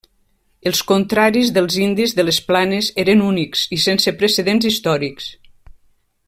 Els contraris dels indis de les planes eren únics i sense precedents històrics.